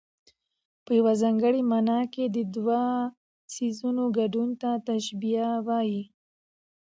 په یوه ځانګړې مانا کې د دوو څيزونو ګډون ته تشبېه وايي.